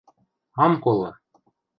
— Ам колы!